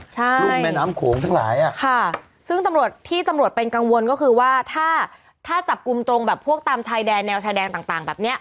ใช่ค่ะซึ่งตำรวจที่ตำรวจเป็นกังวลก็คือว่าถ้าจับกลุ่มตรงแบบพวกตามชายแดงแนวชายแดงต่างแบบเนี้ย